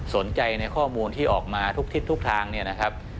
ในข้อมูลที่ออกมาทุกทิศทุกทางเนี่ยนะครับ